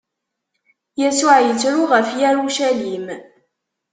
Yasuɛ ittru ɣef Yarucalim.